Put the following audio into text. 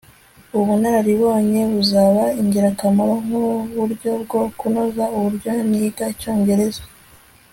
Ubunararibonye buzaba ingirakamaro nkuburyo bwo kunoza uburyo niga icyongereza